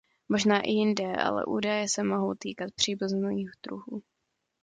Možná i jinde ale údaje se mohou týkat příbuzných druhů.